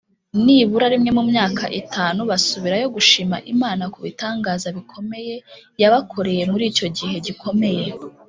nibura rimwe mu myaka itanu basubirayo gushima Imana ku bitangaza bikomeye yabakoreye muri icyo gihe gikomeye.